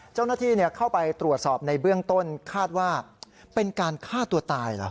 เจ้าหน้าที่เข้าไปตรวจสอบในเบื้องต้นคาดว่าเป็นการฆ่าตัวตายเหรอ